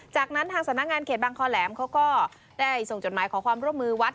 จากนั้นทางสำนักงานเขตบางคอแหลมเขาก็ได้ส่งจดหมายขอความร่วมมือวัด